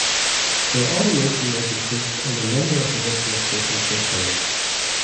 Their automation was increased and a number of additional stations were closed.